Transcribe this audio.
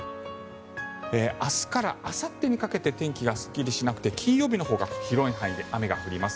明日からあさってにかけて天気がすっきりしなくて金曜日のほうが広い範囲で雨が降ります。